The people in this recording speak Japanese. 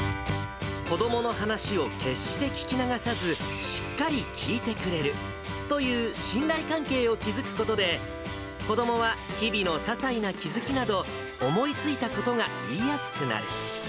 子どもの話を決して聞き流さず、しっかり聞いてくれるという信頼関係を築くことで、子どもは日々のささいな気付きなど、思いついたことが言いやすくなる。